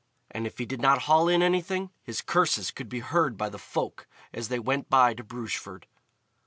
And if he did not haul in anything, his curses could be heard by the folk as they went by to Brugeford.